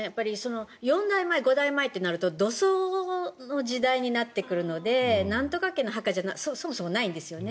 ４代前、５代前となると土葬の時代になってくるのでなんとか家の墓じゃそもそもないんですよね。